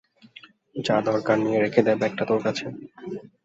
যা দরকার নিয়ে রেখে দে ব্যাগটা তোর কাছে।